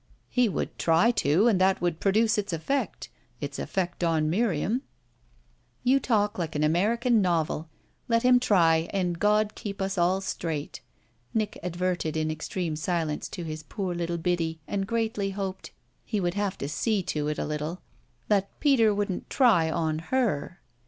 "He would try to, and that would produce its effect its effect on Miriam." "You talk like an American novel. Let him try, and God keep us all straight." Nick adverted in extreme silence to his poor little Biddy and greatly hoped he would have to see to it a little that Peter wouldn't "try" on her.